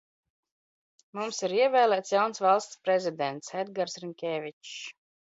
Mums ir iev?l?ts jauns Valsts prezidents - Edgars Rink?vi?s.